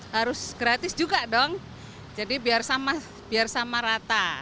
harus gratis juga dong jadi biar sama rata